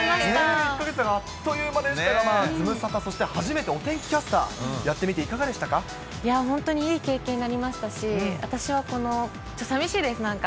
１か月ってあっという間でしたが、ズムサタ、そして初めて、お天気キャスターやってみていか本当にいい経験になりましたし、私はこの、ちょっと寂しいです、なんか。